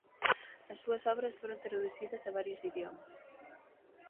As súas obras foron traducidas a varios idiomas.